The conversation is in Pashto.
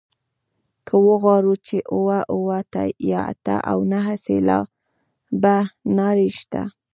که وغواړو چې اووه اووه یا اته او نهه سېلابه نارې شته.